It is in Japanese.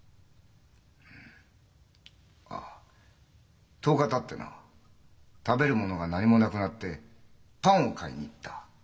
ああ１０日たってな食べるものが何も無くなってパンを買いに行った。